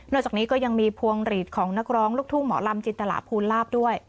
จากนี้ก็ยังมีพวงหลีดของนักร้องลูกทุ่งหมอลำจินตลาภูลาภด้วย